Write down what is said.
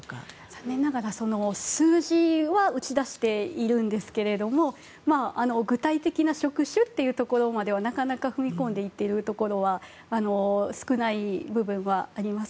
残念ながら数字は打ち出しているんですが具体的な職種まではなかなか踏み込んでいっているところは少ない部分はあります。